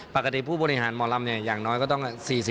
ปกติผู้บริหารหมอลำเนี่ยอย่างน้อยก็ต้อง๔๐